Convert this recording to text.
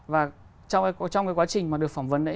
và trong cái quá trình mà được phỏng vấn đấy